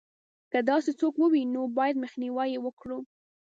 که داسې څوک ووینو باید مخنیوی یې وکړو.